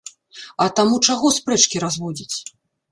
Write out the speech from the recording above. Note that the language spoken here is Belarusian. А таму чаго спрэчкі разводзіць?